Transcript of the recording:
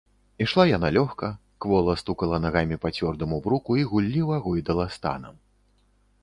Ішла яна лёгка, квола стукала нагамі па цвёрдаму бруку і гулліва гойдала станам.